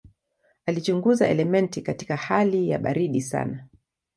Alichunguza elementi katika hali ya baridi sana.